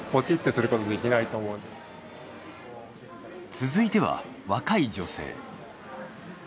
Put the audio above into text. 続いては若い女性。